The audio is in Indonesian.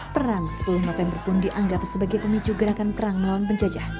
perang sepuluh november pun dianggap sebagai pemicu gerakan perang melawan penjajah